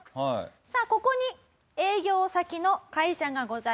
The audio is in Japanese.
さあここに営業先の会社がございます。